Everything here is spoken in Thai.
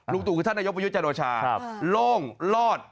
ลุงตู่คือท่านนายบุญญุชโจรชาโล่งรอด